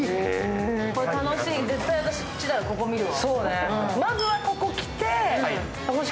これ楽しい、うちは絶対ここ見るわ。